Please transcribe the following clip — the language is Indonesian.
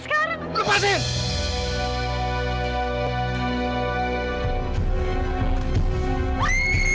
kau mau bunuh dia